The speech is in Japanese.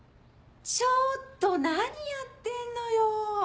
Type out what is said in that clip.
ちょっと何やってんのよ！